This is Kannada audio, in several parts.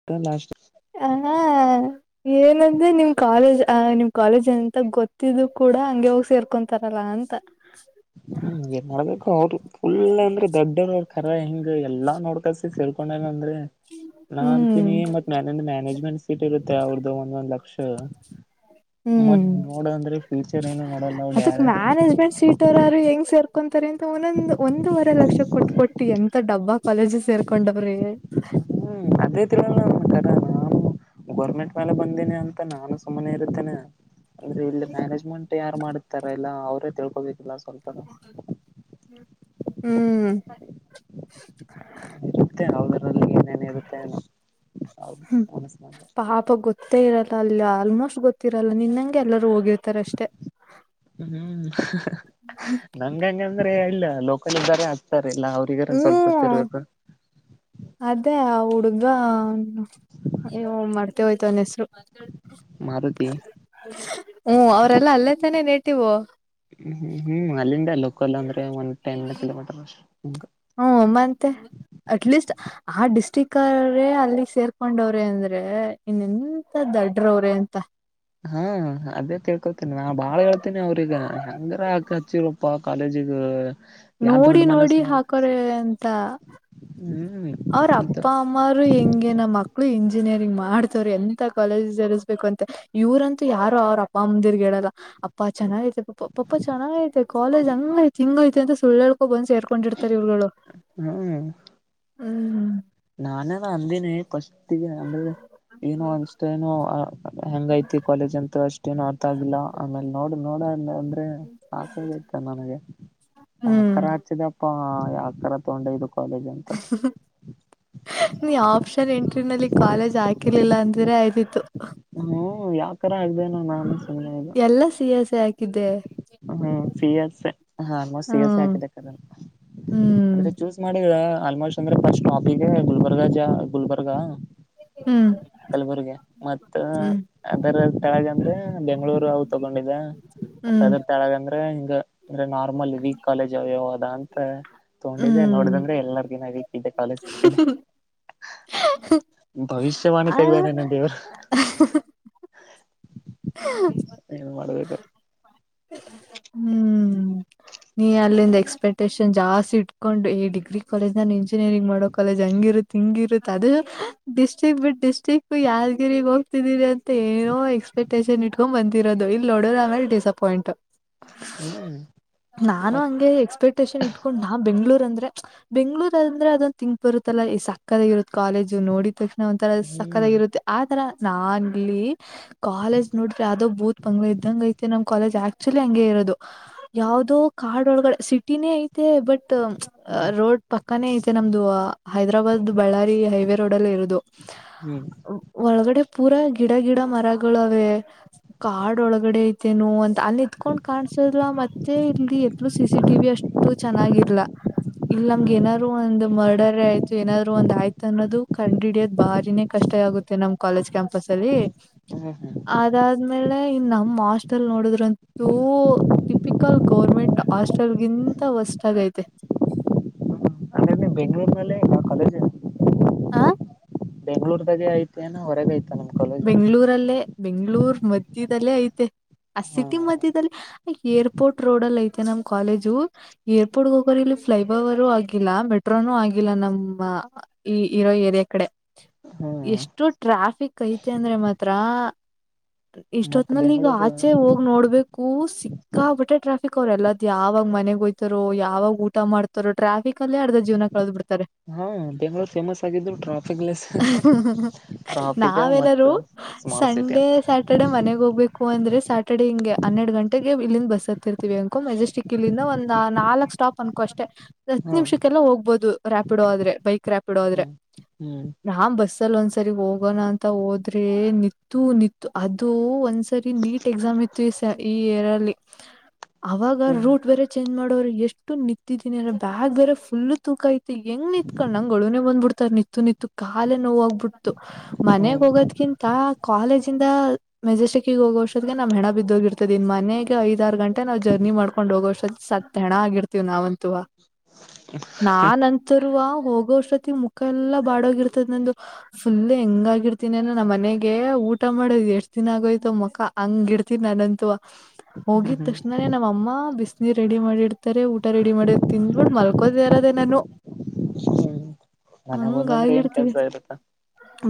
[unintelligible] ಹ ಹ ಏನಂದೆ ನಿಮ್ ಕಾಲೇಜ್ ಅ ನಿಮ್ ಕಾಲೇಜ್ ಅಂತ ಗೊತ್ತಿದ್ ಕೂಡ ಹಂಗೆ ಹೋಗಿ ಸೇರ್ಕೊಂತಾರಲ್ಲ ಅಂತ ಹ್ಮ್ ಏನ್ ಮಾಡ್ಬೇಕು ಅವ್ರರು ಫುಲ್ ಅಂದ್ರೆ ದೊಡ್ಡ ನೋಡ ಕರ ಹೆಂಗ ಎಲ್ಲಾ ನೋಡ್ಕ ಸೇರ್ಕೊಂಡೇನ ಅಂದ್ರೆ ನಾ ಹ್ಮ್ ಅಂತೀನಿ ಮತ್ ಮೇಲಿಂದ್ ಮ್ಯಾನೇಜ್ಮೆಂಟ್ ಸೀಟ್ ಇರುತ್ತೆ ಅವ್ರದ್ದು ಒಂದೊಂದ್ ಲಕ್ಷ ಮತ್ತ ಹ್ಮ್ ನೋಡಂದ್ರೆ ಫ್ಯೂಚರ್ ಏನು ನೋಡಲ್ಲ ಅದಕ್ ಡೈರೆಕ್ಟ್ ಮ್ಯಾನೇಜ್ಮೆಂಟ್ ಸೀಟ್ ಇರು ಹೆಂಗ್ ಸೇರ್ಕೊಂತಾರೆ ಅಂತ ಒಂದೊಂದ ಒಂದೂವರೆ ಲಕ್ಷ ಕೊಟ್ಟ ಕೊಟ್ಟು ಎಂತ ಡಬ್ಬಾ ಕಾಲೇಜ್ ಗೆ ಸೇರ್ಕೊಂಡವ್ರೇ ಹ್ಮ್ ಅದೇ ತಿಳಣ ನೋಡ್ತಾರ ನಾವು ಗೋರ್ಮೆಂಟ್ ಮೇಲೆ ಬಂದೀನಿ ಅಂತ ನಾನು ಸುಮ್ಮನೆ ಇರ್ತೇನೆ ಆದರೆ ಇಲ್ಲಿ ಮ್ಯಾನೇಜ್ಮೆಂಟ್ ಯಾರು ಮಾಡಿತಾರ ಇಲ್ಲ ಅವ್ರೇ ತಿಳ್ಕೊಬೇಕು ಫಸ್ಟ್ ಹ್ಮ್ ಇರುತ್ತೆ ಹದ್ರಲ್ಲಿ ಏನೇನ ಇರುತ್ತೆ ಅನಸ ಮೆ ಅಪ್ಪ ಗೊತ್ತೇ ಇರಲ್ಲ ಅಲ್ಲಿ ಆಲ್ಮೋಸ್ಟ್ ಗೊತ್ತಿರಲ್ಲ ನಿನ್ನಂಗೆ ಎಲ್ಲರೂ ಹೋಗಿರ್ತಾರ ಅಷ್ಟೇ ಹ್ಮ್ ನಂಗಂಗಂದ್ರೆ ಅಲ್ಲ ಲೋಕಲ್ ಇದ್ದಾರೆ ಹಕ್ತಾರಲ್ಲ ಅವರು. ಹಗಾರ ಸ್ವಲ್ಪ ಹ್ಮ್ ಗೊತ್ತಿರ್ಬೇಕು. ಅದೇ ಆ ಹುಡ್ಗ ಮರ್ತೆ ಹೋಯಿತು ಅವನ್ ಹೆಸರು. ಮಾರುತಿ ಹ್ಮ ಅವರೆಲ್ಲ ಅಲ್ಲೇ ತಾನೇ ನೇಟಿವ್. ಹ್ಮ್ ಹ್ಮ್ ಅಲ್ಲಿಂದ ಲಕಲ್ ಅಂದ್ರೆ ಒಂದ ಟೆನ್ ಕಿಲೋಮೀಟರ್ ಅಷ್ಟ ಹ ಹೂ ಮತ್ತೆ ಅಟ್ಲೀಸ್ಟ್. ಆ ಡಿಸ್ಟಿಕ್ ಅಲ್ಲಿ ಸೇರ್ಕೊಂಡವ್ರೇ ಅಂದ್ರೆ ಇನ್ನ ಎಂತ ದಡ್ಡ್ರವ್ರೇ ಅಂತ. ಹಾ ಅದೇ ಕೇಳ್ಕೊಳ್ತೇನಿ ನಾ ಬಾಳೇಳ್ತೇನೆ ಅವ್ರಗ ಶಂಗರ ಹಾಕ ಹಚ್ಚಿರಪ್ಪ. ಕಾಲಜಗ ಯ ನೋಡಿ ದೊಡ ಮನಸ ನೋಡಿ ನೋ ಹಾಕೋರೆ ಅಂತ ಹ್ಮ್. ಅವ್ರ ಮತ್ತ ಅಪ್ಪ ಅಮ್ಮರು ಹೆಂಗೆ ನಮ್ಮ ಅ ಮಕ್ಕಳು ಇಂಜಿನಿಯರಿಂಗ್ ಮಾಡ್ತವ್ರು ಎಂಥ ಕಾಲೇಜಸ್ ಸೇರಿಸಬೇಕಂತ. ಇವ್ರಂತೂ ಯಾರು ಅವ್ರ ಅಪ್ಪ ಅಮ್ಮಂದಿರಿಗೆ ಹೇಳಲ್ಲ ಅಪ್ಪ ಚೆನ್ನಾಗೈತೆ ಪಪ್ಪ ಚೆನ್ನಾಗೈತೆ. ಕಾಲೇಜ್ ಹಂಗೈತೆ ಹಿಂಗ್ ಐತೆ ಅಂತ ಸುಳ್ಳುಹೇಳ್ಕೊಂಡ ಬಂದ್ ಸೇರ್ಕೊಂಡಿರ್ತಾರೆ ಇವ್ಗಳು. ಹೂ ಹ್ಮ್ ಹ್ಮ್ ನಾನೇನ ಅಂದಿನಿ ಫಸ್ಟ್ನೆ ಅಂದ್ರೆ ಏನು ಅನ್ಸತೆನೋ. ಹೆಂಗ ಐತಿ ಕಾಲೇಜ್ ಅಂತ ಅಷ್ಟ್ ಏನ ಅರ್ಥ ಆಗಿಲ್ಲ ಆಮೇಲೆ ನೋಡು ನೋಡಣ ಅಂದ್ರೆ ಸಾಕಾಗೈತ ನನಗೆ. ಹ್ಮ್ ಯಕರ ಹಚ್ಚಿದಪ್ಪಾ ಯಕರ ತಗೊಂಡೆ ಇದು ಕಾಲೇಜ್. ಅಂತ ಹ [inaudible] ನೀ ಆಪ್ಷನ್ ಎಂಟ್ರಿ ನಲ್ಲಿ ಕಾಲೇಜ್ ಹಾಕಿರ್ಲಿಲ್ಲ ಅಂದ್ರೆ ಆಯ್ದಿತ್ತು. ಹೂ ಯಾವ ತರ ಆಗ್ದೇ ಏನೋ ನಾನು ಸುಮ್ಮನೆ ಅದು. ಎಲ್ಲಾ ಸಿಯಸ್ ಹಾಕಿದ್ದೆ. ಹ್ಮ್ ಸಿ ಎಸ್ ಎ ಹಾ ಮ ಸಯಸ ಹ್ಮ್ ಹಾಕಿದೇ [unintelligible] ಹ್ಮ್ ಆದ್ರೆ ಚೂಸ್ ಮಾಡಿದ್ರ ಆಲ್ಮೋಸ್ಟ್ ಅಂದ್ರೆ ಫಸ್ಟ್ ಟ್ರಾಫಿಗೆ ಗುಲ್ಬರ್ಗ ಜಾ ಗುಲ್ಬರ್ಗಾ. ಹ್ಮ್ ಕಲ್ಬುರ್ಗಿ. ಮ ಅದರ ಕೆಳಗ ಅಂದ್ರೆ ಬೆಂಗಳೂರು ಅವು ತಗೊಂಡಿದ ಮತ್ತ ಅದ್ರ. ಕೆಳಗ ಅಂದ್ರೆ ಹಿಂಗ. ಅಂದ್ರೆ ನಾರ್ಮಲ್ ವೀಕ್ ಕಾಲೇಜ್ ಅವ ಅದ ಅಂತ ತಗೊಂಡಿದ್ದೆ ಹ್ಮ್ ನೋಡ್ದಂದ್ರೆ [unintelligible] ಇಂತ ಕಾಲೇಜ ಸಿಕ್ಕಿದೆ. ಭವಿಷ್ಯವಾಣಿ ಅಲ್ಲ ತೆಗ್ದಾನೇನ ಹ್ಮ್ ದೇವರು. ಹ ಏನ್ ಮಾಡ್ಬೇಕು [inaudible] ಹ್ಮ್ ನೀ ಅಲ್ಲಿಂದ ಎಕ್ಸ್ಪೆಕ್ಟೇಷನ್ ಜಾಸ್ತಿ ಇಟ್ಕೊಂಡು ಈ ಡಿಗ್ರಿ ಕಾಲೇಜನ ಇಂಜಿನಿಯರಿಂಗ್ ಮಾಡಕ ಕಾಲೇಜ್ ಹಂಗಿರುತ್ತ ಹಿಂಗಿ ಇರುತ್ತ ಅದು ಡಿಸ್ಟ್ರಿಕ್ ಬಿಟ್ ಡಿಸ್ಟ್ರಿಕ್ ಯಾದಗಿರಿ ಹೋಗ ಅಂತ ಏನೋ ಎಕ್ಸ್ಪೆಕ್ಟೇಷನ್ ಇಟ್ಕೊಂಡ ಬಂದಿರೋದು ಇಲ್ಲಿ ನೋಡ್ರ ಆಮೇಲೆ ಡಿಸಪಾಯಿಂಟ್. [inaudible] ಹೂ ನಾನು ಹಂಗೆ ಎಕ್ಸ್ಪೆಕ್ಟೇಷನ್ ಇಟ್ಕೊಂಡು ನಾ ಬೆಂಗಳೂರ್ ಅಂದ್ರೆ. ಬೆಂಗಳೂರ್ ಅಂದ್ರೆ ಅದೊಂದು ತಿಂಕ್ ಬರುತ್ತಲ್ಲ ಹೇ ಸಕ್ಕತಾಗಿ ಇರುತ್ತೆ ಕಾಲೇಜು ನೋಡ ತಕ್ಷಣ. ಒಂಥರ ಹ್ಮ್ ಸಕ್ಕದಾಗಿ ಇರುತ್ತೆ ಆತರ ನನ್ ಇಲ್ಲಿ. ಕಾಲೇಜ್ ನೋಡ್ರೆ ಯಾವದೋ ಬೂತ್ ಬಂಗ್ಲೆ ಇದ್ದಂಗ ಐತಿ ನಮ್ ಕಾಲೇಜ್ ಆಕ್ಚುಲಿ ಹಂಗೆ ಇರೋದು. ಯಾವ್ದೋ ಕಾಡು ಒಳಗಡೆ ಸಿಟಿನೇ ಐತೆ ಬಟ್ ಅ ಹ್ಮ್ ರೋಡ್ ಪಕ್ಕಾನೇ ಐತೆ ನಮ್ದು ಹೈದ್ರಾಬಾದ್ ಬಳ್ಳಾರಿ ಹೈವೇ ರೋಡ್ ಅಲ್ಲೇ ಇರೋದು. ಹ್ಮ್ ಒಳಗಡೆ ಪೂರಾ ಗಿಡ ಗಿಡ ಮರಗಳವೆ ಕಾಡ್ ಒಳಗಡೆ ಐತೆನು ಅಂತ ಅಲ್ಲಿ ನಿಂತ್ಕೊಂಡ್ ಕಾಣ್ಸದು ಮತ್ತೆ ಇಲ್ಲಿ ಎಲ್ಲು ಸಿ ಸಿ ಟಿವಿ ಅಷ್ಟು ಚೆನ್ನಾಗಿಲ್ಲ ಇಲ್ಲ ಹ್ಮ್ ನಮಗೆನ ಒಂದು ಮರ್ಡರ್ ಆಯ್ತು ಏನಾದ್ರು ಒಂದ್ ಆಯ್ತು ಅನ್ನೋ ಕಂಡ ಹಿಡಿಯೋದ ಬಾರಿನೇ ಕಷ್ಟ ಆಗುತ್ತೆ ನಮ್ ಕಾಲೇಜ್ ಕ್ಯಾಂಪಸ್ ಅಲ್ಲಿ ಹ್ಮ ಹ್ಮ ಅದಾದ್ಮೇಲೆ ಇನ್ ನಮ ಹಾಸ್ಟೆಲ್ ನೋಡಿದ್ರಂತೂ ಟಿಪಿಕಲ್ ಗೌರ್ಮೆಂಟ್ ಹಾಸ್ಟೆಲ್ಗಿಂತ ಹೊಸದ ಆಗೈತೆ ಬೆಂಗಳೂರುನಲ್ಲೇ ಇಂತ ಕಾಲೇಜು ಹ ಬೆಂಗಳೂರ್ದಾಗೆ ಐತೆ ಏನ ಹೊರಗೆ ಐತೆ ಬೆಂಗಳೂರಲ್ಲೇ ಬೆಂಗಳೂರ್ ಮಧ್ಯದಲ್ಲೇ ಐತೆ ಆ ಹ್ಮ ಸಿಟಿ ಮಧ್ಯದಲ್ಲಿ ಏರ್ಪೋರ್ಟ್ ರೋಡ್ ಅಲ್ಲಿ ಐತೆ ನಮ್ ಕಾಲೇಜು ಏರ್ಪೋರ್ಟ್ಗೆ ಹೋಗರ್ ಇಲ್ಲಿ ಫ್ಲೈ ಓವರು ಆಗಿಲ್ಲ ಮೆಟ್ರೋನುೂ ಆಗಿಲ್ಲ ನಮ್ಮ ಈ ಇರೋ ಏರಿಯಾ ಕಡೆ ಹ್ಮ್ ಎಷ್ಟು ಟ್ರಾಫಿಕ್ ಐತೆ ಅಂದ್ರೆ ಮಾತ್ರ ಇಷ್ಟ ಮತ್ ಹೊತ್ನಲ್ಲಿ ಈಗ ಬೆಂಗ್ಳೂರು ಆಚೆ ಹೋಗ ನೋಡ್ಬೇಕು ಕೂ ಸಿ ಸಿಕ್ಕಾ ಪಟ್ಟೆ ಟ್ರಾಫಿಕ್ ಅವ್ರ ಎಲ್ಲದ್ ಯಾವಾಗ ಮನೆಗ್ ಹಯ್ತಾರೋ ಯಾವಾಗ ಊಟ ಮಾಡ್ತಾರೋ ಟ್ರಾಫಿಕ್ ಅಲ್ಲಿ ಅರ್ದ ಜೀವನ ಕಳದ್ ಬಿಡ್ತಾರೆ ಹಾ ಬೆಂಗಳೂರು ಫೇಮಸ್ ಆಗಿದ್ರು ಟ್ರಾಫಿಕ ಇಂದ ನಾವೆನಾರೂ ಸಂಡೆ ಸ್ಯಾಟರ್ಡೆ ಮನೆಗೆ ಹೋಗ್ಬೇಕುಂದ್ರೆ ಸ್ಯಾಟರ್ಡೆ ಹಂಗೆ ಹನ್ನೆರಡು ಗಂಟೆಗೆ ಇಲ್ಲಿಂದ ಬಸ್ ಹತ್ತಿರ್ತೀವಿ ಅಂಕೋ ಮೆಜೆಸ್ಟಿಕ್ ಕಿಲ್ಲಿಂದ ಒಂದ್ ನಾಲ್ಕ ಸ್ಟಾಪ್ ಅನ್ಕೋ ಅಷ್ಟೆ ಹತ್ತು ಹ್ಮ್ ನಿಮಿಷಕ್ಕೆಲ್ಲ ಹೋಗ್ಬೋದು ರಾಪಿಡೋ ಆದ್ರೆ ಬೈಕ್ ರಾಪಿಡೋ ಆದ್ರೆ ಹ್ಮ್ ಹ್ಮ್ ನಾ ಬಸ್ಸಲ್ಲಿ ಒಂದ್ಸರಿ ಹೋಗಿ ಹೋಗೋಣ ಅಂತ ಹೋದ್ರೆ ನಿತ್ತು ನಿತ್ತು ಅದು ಒಂದ್ಸರಿ ನೀಟ್ ಎಕ್ಸಾಮ್ ಇತ್ತು [unintelligible] ಅವಾಗ ಹ್ಮ್ ರೂಟ್ ಬೇರೆ ಚೇಂಜ್ ಮಾಡೋರು ಎಷ್ಟು ನಿಂತಿದ್ದೀನಿ ಅಂದ ಬ್ಯಾಗ್ ಬೇರೆ ಫುಲ್ ತೂಕಹೈತೆ ಹೆಂಗ್ ನಿಂತ್ಕೊಂಡ ನಂಗ ಅಳುನೆ ಬಂದ್ಬಿಡ್ತು ನಿಂತು ನಿಂತು ಕಾಲೆ ನೋವಾಗ್ಬಿಡ್ತು ಹ್ಮ್ ಮನೆಗ್ ಹ್ಮ್ ಹೋಗೋದ್ಕಿಂತ ಕಾಲೇಜಿಂದ ಮೆಜೆಸ್ಟಕ್ಗ ಹೋಗೋರ್ಷದಗೆ ನನ್ನ ಹೆಣ ಬಿದ್ದೋಗಿರ್ತದೆ ಇನ್ ಮನೆ ಐದಾರ ಗಂಟ ನವು ಜರ್ನಿ ಮಾಡಕೊಂಡ ಹೋಗೋವರ್ಷದ್ ಸತ್ತೆ ಸತ್ತ ಹೆಣ ಆಗಿರ್ತೀವಿ ನಾವಂತೂ ನಾನ್ಂತರು ಹೋಗೋವಷ್ಟೊತಿ ಮುಖ ಎಲ್ಲಾ ಬಾಡೋಗಿರ್ತದ ನಂದು ಫುಲ್ ಹೆಂಗಾಗಿರ್ತೀನನ ನಮ್ಮ ಮನೆಗೆ ಊಟ ಮಾಡೋದು್ ಎಷ್ಟ್ ದಿನ ಆಗೋಯ್ತವ ಮಕ್ಕ ಹಂಗ ಇರ್ತೀನಿ ನಾನಂತೂ ಹೋಗಿದ ಹ್ಮ್ ತಕ್ಷಣನೆ ನಮ್ಮ ಅಮ್ಮ ಬಿಸಿನೀರ ರೆಡಿ ಮಾಡಿಡ್ತಾರೆ ಊಟ ರೆಡಿ ಮಾಡಿ ತಿಂದ್ಬಿಟ್ಟ ಮಲ್ಕ ಕೊರದ ನಾನು ಮನೆಗ ಹೊದ್ನಿ ಅಂದ್ರೆ ಏನ್ ಕೆಲ್ಸ ಇರತ್ತಾ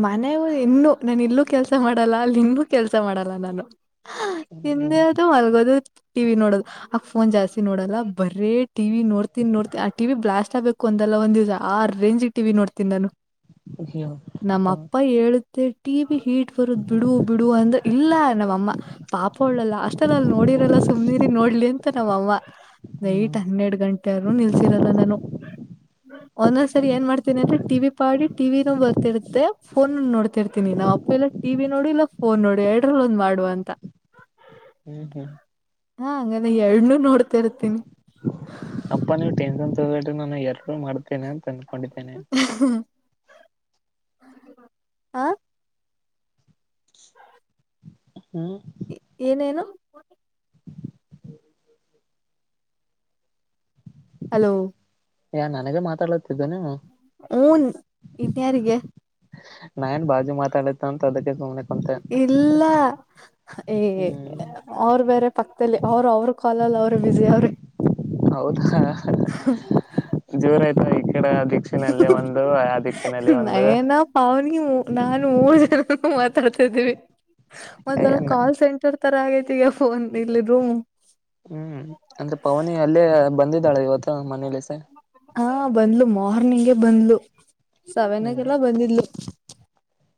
ಮನಗೆ ಇನ್ನುೂ ನಾನ ಇಲ್ಲೂ ಕೆಲ್ಸ ಮಾಡಲ್ಲ ಅಲ್ಲಿ ನಿನ್ಗು ಕೆಲ್ಸ ಮಾಡಲ್ಲ ನಾನು ಹ್ಮ್ ತಿನ್ನೋದು ಮಲ್ಗೋದು ಟಿವಿ ನೋಡದು ಆ ಫೋನ್ ಜಾಸ್ತಿ ನೋಡಲ್ಲ ಬರೇ ಟಿವಿ ನೋಡ್ತನಿ ನೋಡ್ತಿನಿ ಆ ಟಿವಿ ಬ್ಲಾಸ್ಟ್ ಆಗ್ಬೇಕು ಒಂದಲ್ಲ ಒಂದ ದಿವಸ ಆ ರೇಂಜ್ಗೆ ಟಿವಿ ನೋಡ್ತನಿ ನಾನು ಹೂ ನಮ್ಮ ಅಪ್ಪ ಹೇಳುತ್ತೆ ಟಿ ವಿ ಹೀಟ್ ಬರುದ್ ಬಿಡು ಬಿಡುುವ ಅಂದ ಇಲ್ಲ ನಮ್ಮಮ್ಮ ಪಾಪ ಉಳ್ಳಲ್ಲ ಅಷ್ಟಲ್ಲ ಅಲ್ಲಿ ನೋಡಿರಲ್ಲ ಸುಮ್ಮರಿ ನೋಡ್ಲಿ ಅಂತ ನಮ್ಮ ಅವ್ವ ನೈಟ್ ಹ್ಮ್ ಹನ್ನೆರಡ ಗಂಟೆ ಆದ್ರು ನಿಲ್ಲಿಸಿರಲ್ಲ ನಾನು. [inaudible] ಒಂದೊಂದ್ಸರಿ ಏನ್ ಮಾಡ್ತೀನಿ ಅಂದ್ರ ಟಿವಿ ಪಾಡಿ ಟಿವಿನೂ ಬರ್ [inaudible] ಇರುತ್ತೆ ಫೋನ್ ನೋಡ್ತಿರ್ತೀನಿ ನಮ್ಮ ಅಪ್ಪ ಇಲ್ಲ ಅಂದರ್ ಟಿವಿ ನೋಡು ಇಲ್ಲ ಫೋನ್ ನೋಡು ಎರಡರಲ್ ಒಂದ್ ಮಾಡು ಅಂತ. [inaudible] [unintelligible] ಹಾ ನಾನ್ ಎರಡ್ನೂ ನೋಡ್ತಾ ಇರ್ತೀನಿ. [inaudible] [inaudible] ಅಪ್ಪ ನೀವು ಟೆನ್ಷನ್ ತೊಗಬೇಡರಿ ನಾನ್ ಹೆಲ್ಪ್ ಮಾಡ್ತೇನೆ ಅಂತ ಅಂದ್ಕೊಂಡಿದ್ದೇನೆ. ಆ ಹ್ಮ್. [unintelligible] ಏನ್ ಏನು. [unintelligible] ಹಲೋ. ಏ ನನಗ ಮಾತಾಡಲಿತ್ತಿದ್ದೇನು. [inaudible] ಮೂನ್ ಇನ್ನ ಯಾರಿಗೆ. [inaudible] ನಾ ಏನ್ ಬಾಜು ಮಾತಾಡಾತ್ತಳ್ ಅಂತ ಅದಕ್ಕೆ ಸುಮ್ನೆ [inaudible] ಇಲ್ಲಾ. [inaudible] ಹೀಗೆ ಹ್ಮ್ ಅವರ ಬೇರೆ ಪಕ್ಕದಲ್ಲಿ ಅವ್ರ ಅವ್ರ ಕಾಲ್ ಅವ್ರ ಬಿಸಿ ಅವರೇ. [inaudible] ಹೌದಾ. [inaudible] ಜೋರ ಆಯ್ತು ಈ ಕಡೆ ದಿಕ್ಷಿನಲ್ಲಿ ಒಂದು ಆ ದಿಕ್ಕಿನಲ್ಲಿ ಒಂದು. [inaudible] ಅವನು ನಾನು ಮೂರು ಜನನೂ [inaudible] ಮಾತಾಡ್ತಾದ್ದೀವಿ ಒಂಥರ ಏನ್ ಕಾಲ್ ಸೆಂಟರ್ [inaudible] [inaudible] ಇತರಾ ಆಗೈತಿ ಈಗ ಫೋನ್ ಬಿಲ್ ಇದು. [inaudible] ಹ್ಮ್ ಅಂದ್ರೆ ಪವನಿ ಅಲ್ಲೇ ಬಂದಿದ್ದಾಳೆ ಇವತ್ತು ಮನೇಲಿ ಸರ್. [inaudible] ಹಾ ಬಂದ್ಲು ಮಾರ್ನಿಂಗೇ ಬಂದ್ಲು ಹ್ಮ್ ಸೆವೆನಿಗೆಲ್ಲಾ ಬಂದಿದ್ಲು. [inaudible]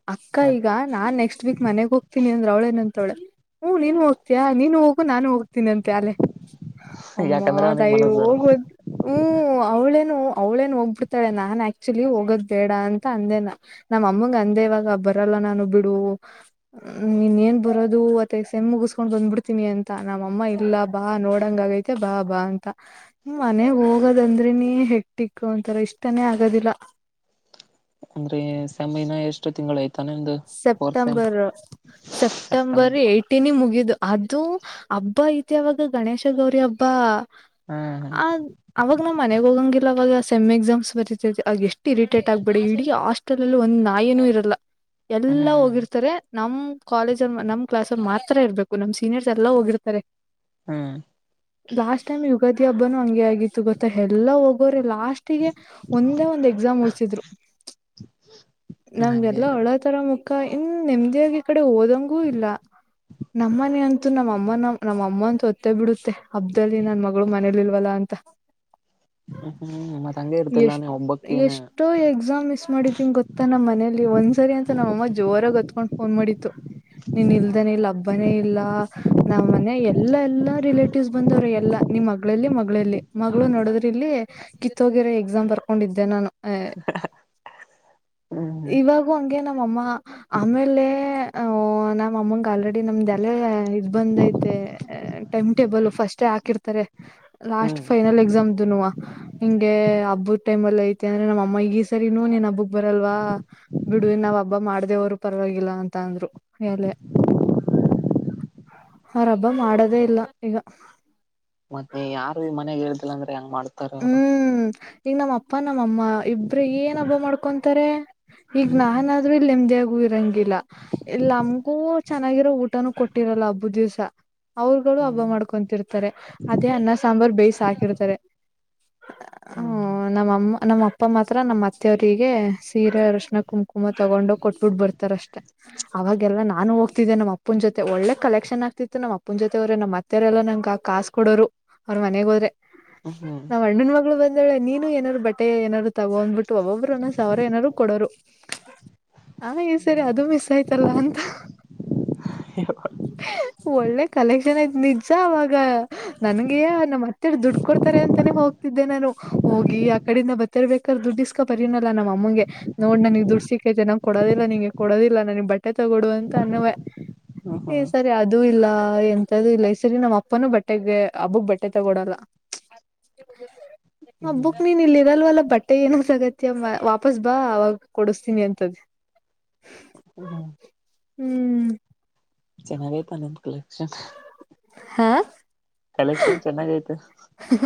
[inaudible] ಅಕ್ಕ ಮತ್ ಈಗ. ನಾನ್ ನೆಕ್ಸ್ಟ್ ವೀಕ್ ಮನೆಗ್ ಹೋಗ್ತೀನಿ ಅಂದ್ರ ಅವಳೇ ಅಂತವಳೆ ಹೂಂ ನೀನು ಹೋಗತೀಯಾ ನೀನು ಹೋಗು ನಾನು ಹೋಗ್ [inaudible] ತಿನಂತೆ ಆಗಲ್ಲೇ ಅಮ್ಮ ಯಾಕಂದ್ರೆ ಅವನಿಗೆ ತಾಯಿ ಮನಸ್ ಬರಲ್ಲ ಹೋಗುವ [inaudible] ಹ್ಮ್ ಅವಳೇನು ಅವಳೇನು ಹೋಗಬಿಡ್ತಾಳೆ ನಾನ್ ಆಕ್ಚುಲಿ ಹೋಗೋದ್ ಬೇಡ ಅಂತ ಅಂದೇನಾ. [inaudible] ನಮ್ಮ ಅಮ್ಮಂಗ ಅಂದೆ ಇವಾಗ ಬರಲ್ಲ ನಾನು ಬಿಡು. [inaudible] ಹ್ಮ ಇನ್ ಏನ್ ಬರೋದು ಒತ್ತೆಟೈ ಸೇಮ್ ಮುಗಿಸಸ್ಕೊಂಡ್ ಬಂದಬಿಡ್ತೀನಿ ಅಂತ ನಮ್ಮ ಅಮ್ಮ ಇಲ್ಲ ಬಾ ನೋಡಂಗ ಆಗೈ [inaudible] ತಿ ಬಾ ಬಾ ಅಂತ. [inaudible] ಮನೆಗ್ ಹೋಗೋದಂದರೆನೇ ಹೆಟ್ಟಿಕ್ಕ ಒಂತರಾ ಇಷ್ಟನೆೇ ಆಗದಿಲ್ಲ. [inaudible] ಅಂದ್ರೆ ಸೇಮ್ ಇನ್ನ ಎಷ್ಟು ತಿಂಗಳ ಐತಿ. [inaudible] ಸೆಪ್ಟೆಂಬರ್ ಸೆಪ್ಟೆಂಬರ್ ಎಟ್ [inaudible] ಟಿನಿಗ ಮುಗಿದು ಅದು ಹಬ್ಬ ಐತೆವಾಗ ಗಣೇಶ ಗೌರಿ ಹಬ್ಬ. ಹ್ಮ್ [inaudible] ಆದ [inaudible] ಅವಾಗ ನಾವ್ ಮನೆಗ ಹೋಗಂಗಿಲ್ಲ ಅವಾಗ ಸೇಮ್ ಎಕ್ಸಾಮ್ಸ್ ಬರೀತಿದೆ ಆಗ ಎಷ್ಟು ಇರಿಟೇಟ್ ಆಗಬೇಡಿ ಇಡೀ ಹಾಸ್ [inaudible] ಸ್ಟೆಲ್ ಅಲ್ಲಿ ಒಂದ್ ನಾಯಿನು ಇರಲ್ಲ ಎಲ್ಲಾ ಹ್ಮ್ ಹೋಗಿರ್ತಾರೆ. [inaudible] ನಮ್ ಕಾಲೇಜ ನಮ್ಮ ಕ್ಲಾಸ್ ಅಲ್ಲಿ ಮಾತ್ರ ಇರ್ಬೇಕು ನಮ್ಮ ಸೀನಿಯರ್ಸ್ ಎಲ್ಲಾ ಹೋಗಿರ್ತಾರೆ. [inaudible] ಹ್ಮ್. [unintelligible] ಲಾಸ್ಟ್ ಟೈಮ್ ಯುಗಾದಿ ಹಬ್ಬನು ಹಂಗೆ ಆಗಿತ್ತು ಗೊತ್ತಾ ಎಲ್ಲಾ ಹೋಗೋರೆ ಲಾಸ್ಟ್ [inaudible] ಹೊತ್ತಿಗೆ ಒಂದೇ ಒಂದ್ ಎಕ್ಸಾಮ್ ಉಳಸಿದ್ರು ನಮ್ಮದ ಹಂಗೆ ಎಲ್ಲಾ ಇದೆ ಒಳಗ್ [inaudible] ಇತರ ಮುಖ ಇನ್ ನೆಮ್ಮದಿಯಾಗಿ ಈ ಕಡೆ ಓದಂಗೂ ಇಲ್ಲ. [inaudible] ನಮ್ಮ ಮನೆ ಅಂತೂ ನಮ್ಮ ಅಮ್ಮನ ಅಮ್ಮನ ಸತ್ತೆ ಬಿಡುತ್ತೆ. [inaudible] ಹಬ್ಬದಲ್ಲಿ ನನ್ನ ಮಗಳು ಮನೇಲಿ ಇಲ್ಲಲ್ವ ಅಂತ. [inaudible] ಹ್ಮ್ ಹ್ಮ್ ಮತ್ತೆ ಹಂಗೆ ಇರುತ್ತೆ ಎಲ್ಲಾ ಎಷ್ಟ್ ನೀನ್ ಒಬ್ಬಕೀನ್. [inaudible] ಎಷ್ಟೋ ಎಕ್ಸಾಮ್ ಮಿಸ್ ಮಾಡಿದೀನಿ ಗೊತ್ತಾ ನಮ್ಮ ಮನೆಲಿ ಒಂದ್ಸರಿ ಅಂತ [inaudible] ತು ನಮ್ಮ ಅಮ್ಮ ಜೋರಾಗಿ ಅತ್ಕೊಂಡ್ ಫೋನ್ ಮಾಡಿತ್ತು ನೀನ್ ಇಲ್ಲದನೆೇ ಇಲ್ಲಿ ಹಬ್ಬನೇ ಇಲ್ಲ. [inaudible] ನಾವ್ ಮನೆ ಎಲ್ಲಾ ಎಲ್ಲಾ ರಿಲೇಟಿವ್ಸ್ ಬಂದವ್ರ ಎಲ್ಲಾ ನಿಮ್ ಮಗಳು ಎಲ್ಲಿ ಮಗಳು ಎಲ್ಲಿ ಮಗಳು ನೋಡದ್ರ ಇಲ್ಲಿ. ಕಿತ್ತೋಗರೆ ಎಕ್ಸಾಮ್ ಬರ್ಕೊಂಡಿದ್ದೆ ನಾನು. ಹ ಹಾ ಇವಾಗೂ ಹಂಗೆ ನಮ್ಮಅಮ್ಮ ಆಮೇಲೆ. ನಮ್ ಅಮ್ಮಂಗ ಆಲ್ರೆಡಿ ನಮ್ದ ಎಲೆ ಇದ್ ಬಂದೈತೆ ಟೈಮ್ ಟೇಬಲ್ ಫಸ್ಟೇ ಹಾಕಿರ್ತಾರೆ. ಲಾಸ್ಟ್ ಹ್ಮ್ ಫೈನಲ್ ಎಕ್ಸಾಮ್ದನುವ. ಹಿಂಗೆ ಹಬ್ಬದ ಟೈಮ್ ಅಲ್ಲಿ ಐತೆ ಅಂದ್ರೆ ನಮ್ಮ ಅಮ್ಮ ಈ ಸರಿನೂ ನೀನ್ ಹಬ್ಬಕ್ ಬರಲ್ವಾ. ಬಿಡು ನಾವ್ ಹಬ್ಬ ಮಾಡ್ದೇ ಓದ್ರು ಪರವಾಗಿಲ್ಲ ಅಂತ ಅಂದ್ರು ಎಲೆ. ಅವರು ಹಬ್ಬ ಮಾಡದೇ ಇಲ್ಲ ಈಗ. ಮತ್ತೆ ಯಾರು ಮನೆಗ ಇರಲಿಲ್ಲ ಅಂದ್ರೆ ಹೆಂಗ ಮಾಡ್ತ ಹ್ಮ್ ಈಗ ನಮ್ಮ ಅಪ್ಪ ನಮ್ಮಅಮ್ಮ ಇಬ್ರೆ ಏನ್ ಹಬ್ಬ ಮಾಡ್ಕೊಂತಾರೆ. ಈಗ ಹ್ಮ್ ನಾನ ಆದ್ರೂ ಇಲ್ಲಿ ನೆಮ್ಮದಿಯಾಗೂ ಇರಂಗಿಲ್ಲ. ಇಲ್ಲಿ ನಮಗೂ ಚೆನ್ನಾಗಿರೋ ಊಟನೂ ಕೊಟ್ಟಿರಲ್ಲ ಹಬ್ಬ ದಿವ್ಸ. ಅವರುಗಳು ಹಬ್ಬ ಹ್ಮ್ ಮಾಡ್ಕೊತಿರ್ತಾರೆ ಅದೇ ಅನ್ನ ಸಾಂಬಾರ್ ಬೇಯ್ಸಿ ಹಾಕಿರ್ತಾರೆ. ಹ್ಮ ಹ್ಮ್ ನಮ್ಮಮ್ಮ ನಮ್ಮ ಅಪ್ಪ ಮಾತ್ರ ನಮ್ಮ್ ಅತ್ತೆವರಿಗೆ ಸೀರೆ ಆರ್ಶಿನ ಕುಂಕುಮ ತಗೊಂಡ್ ಹೋಗಿ ಕೊಟ್ಬಿಟ್ಟು ಬರ್ತಾರೆ ಅಷ್ಟೇ. ಅವಾಗೆ ಲ್ಲ ನಾನು ಹೋಗ್ತಿದ್ದೆ ನಮ್ಮಪ್ಪನ ಜೊತೆ ಒಳ್ಳೆ ಕಲೆಕ್ಷನ್ ಆಗ್ತಿತ್ತು ನಮ್ಮ ಅಪ್ಪನ ಜೊತೆ ಓದ್ರೆ ನಮ್ಮ. ಅತ್ತೆರೆಲ್ಲ ನಂಗೆ ಕಾಸ್ ಕೊಡೋರು ಅವ್ರ ಮನೆಗೆ ಹೋದ್ರೆ. ಹ್ಮ್ ಹ್ಮ್ ನಮ್ ಹಣ್ಣನ್ ಮಗಳು ಬಂದವಳ ನೀನು ಏನಾರು ಬಟ್ಟೆ ಏನಾರು ತಗೊ ಅಂದ್ಬಿಟ್ಟು ಒಬೊಬ್ಬರು ಒಂದ್ ಸಾವಿ ರ ಏನಾರು ಕೊಡೋರು. ಹಾಗೆ ಇ ಸರಿ ಅದು ಮಿಸ್ ಆಯ್ತಲ್ಲ ಅಂತ. ಹ. ಒಳ್ಳೆ ಕಲೆಕ್ಷನ್ ಅಯ್ತು ನಿಜ ಅವಾಗ ನನ್ಗೆ ನಮ್ಮ್ ಅತ್ತೆಅವ್ರು ದುಡ್ಡು ಕೊಡ್ತಾರೆ ಅಂತ. ತಾನೆ ಹೋಗ್ತಿದ್ದೆ ನಾನು ಹೋಗಿ ಆ ಕಡಿಂದ ಬರ್ತಿರ್ ರ್ಬೇಕಾದ್ರೆ ದುಡ್ಡಿಸ್ಕೊ ಬರಿನಲ್ಲಾ ನಮ್ಮ ಅಮ್ಮಂಗೆ. ನೋಡ್ ನನಗ್ ದುಡ್ಡು ಸಿಕ್ಕೈತೆ ನಂಗ್ ಕೊಡೋದಿಲ್ಲ ನಿಂಗೆ ಕೊಡೋದಿಲ್ಲ ನನಗ್ ಬಟ್ಟೆ ತಗೋಡು ಅಂತ ಅನ್ನುವೆ. ಹ ಹ್ಮ್ ಸರಿ. ಸಅದುೂ ಇಲ್ಲ ಎಂತದು ಇಲ್ಲ ಈ ಸರಿ ನಮ್ ಅಪ್ಪನು ಬಟ್ಟೆಗೆ ಹಬ್ಬಕ್ ಬಟ್ಟೆ ತಗೊಡಲ್ಲ. ಹ್ಮ್ ಹಬ್ಬುಕ್ಕೆ ನೀನ್ ಇಲ್ಲಿ ಇರಲ್ವಲ್ಲ ಬಟ್ಟೆ. [unintelligible] ಅಗತ್ಯ ವಾಪಸ್ ಬಾ ಅವಾಗ ಕೊಡಿಸ್ತೀನಿ ಅಂತದ್. ಹಾ ಹ್ಮ್ ಚೆನ್ನಾಗೇ [unintelligible] ಕಲೆಕ್ಷನ್ ಹಾ ಕಲೆಕ್ಷನ್ ಚನ್ನಾಗೈತೆ. ಹ ಹ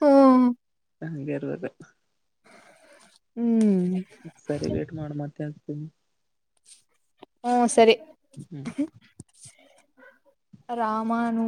ಹು ಹಂಗೆ ಇರುವುದು. ಹ್ಮ್ ಸರಿ ವೇಟ್ ಮಾಡ್ ಮತ್ತೆ ಆಗ್ತೀನಿ. ಹ್ಮ ಸರಿ ಹ್ಮ್ ರಾಮನು.